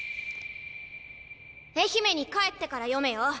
愛媛に帰ってから読めよ！